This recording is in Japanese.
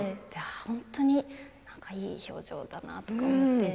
本当にいい表情だなと思って。